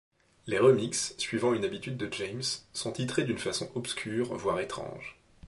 Les remixes, suivant une habitude de James, sont titrées d'une façon obscure voire étrange.